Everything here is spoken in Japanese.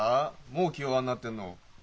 もう気弱になってんの？